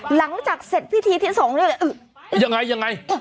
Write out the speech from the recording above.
หลังจากเสร็จพิธีที่สองนี่เลยยังไงยังไง